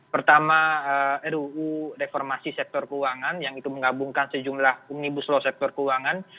pertama ruu reformasi sektor keuangan yang itu menggabungkan sejumlah omnibus law sektor keuangan